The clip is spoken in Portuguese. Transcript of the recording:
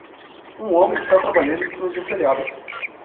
Um homem está trabalhando em cima de um telhado.